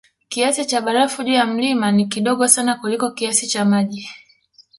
Kiasi cha barafu juu ya mlima ni kidogo sana kuliko kiasi cha maji